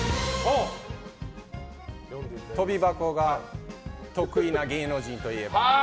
跳び箱が得意な芸能人といえば？